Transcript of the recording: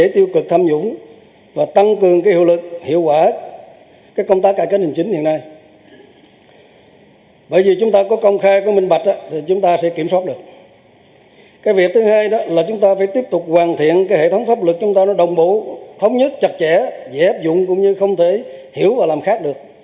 thống nhất chặt chẽ dễ áp dụng cũng như không thể hiểu và làm khác được